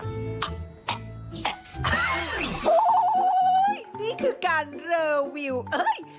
โอ้โหนี่คือการรอวิวเอ้ย